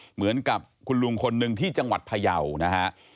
เหมือนกับคุณลุงคนหนึ่งที่จังหวัดพยาวนะฮะ